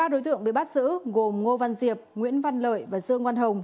ba đối tượng bị bắt giữ gồm ngô văn diệp nguyễn văn lợi và dương văn hồng